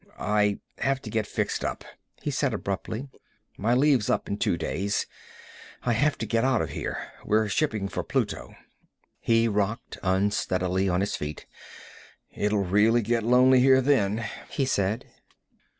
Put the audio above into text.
"I have to get fixed up," he said abruptly. "My leave's up in two days. I have to get out of here. We're shipping for Pluto." He rocked unsteadily on his feet. "It'll really get lonely here then," he said.